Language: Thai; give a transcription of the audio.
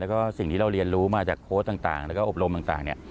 แล้วก็สิ่งที่เราเรียนรู้มาจากโค้ชต่างแล้วก็อบรมต่างเนี่ย